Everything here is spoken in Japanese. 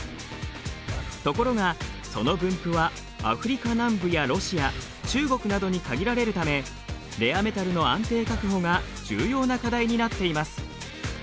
ところがその分布はアフリカ南部やロシア中国などに限られるためレアメタルの安定確保が重要な課題になっています。